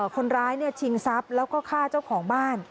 คนร้ายชิงทรัพย์แล้วก็ฆ่าเจ้าของบ้าน